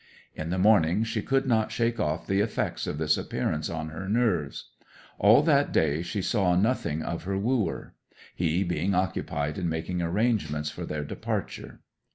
In the morning she could not shake off the effects of this appearance on her nerves. All that day she saw nothing of her wooer, he being occupied in making arrangements for their departure.